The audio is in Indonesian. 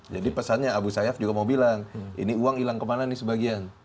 jadi pesannya abu sayyaf juga mau bilang ini uang hilang kemana nih sebagian